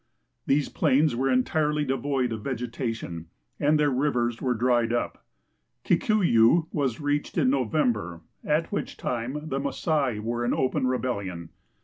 These jilains were entirely devoid of vegetati<jn and their rivers were dried up. Kikuyu was reached in November, at which time the ^lasai" were in open rebellion.